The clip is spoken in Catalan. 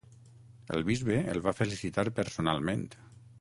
El bisbe el va felicitar personalment.